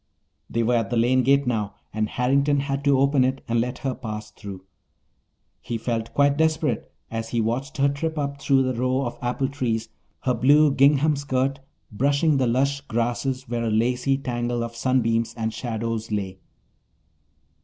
They were at the lane gate now, and Harrington had to open it and let her pass through. He felt quite desperate as he watched her trip up through the rows of apple trees, her blue gingham skirt brushing the lush grasses where a lacy tangle of sunbeams and shadows lay.